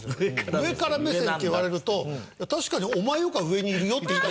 上から目線って言われると確かにお前よか上にいるよって言いたくなる。